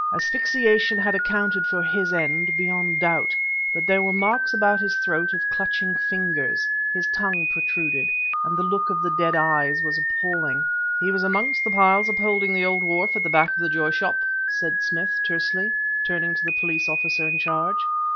Asphyxiation had accounted for his end beyond doubt, but there were marks about his throat of clutching fingers, his tongue protruded, and the look in the dead eyes was appalling. "He was amongst the piles upholding the old wharf at the back of the Joy Shop?" said Smith tersely, turning to the police officer in charge.